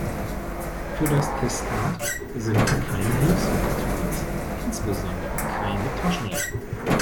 Für das Testat sind keine Hilfsmittel zugelassen, insbesondere keine Taschenrechner.